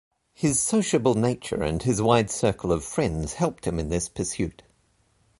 His sociable nature and his wide circle of friends helped him in this pursuit.